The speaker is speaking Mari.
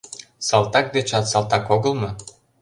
Салтак дечат салтак огыл мо?